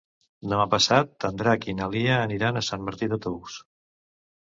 Demà passat en Drac i na Lia aniran a Sant Martí de Tous.